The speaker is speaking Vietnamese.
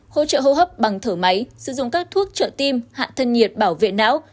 hỗ trợ hô hấp bằng thở máy sử dụng các thuốc trợ tim hạn thân nhiệt bảo vệ não